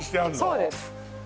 そうです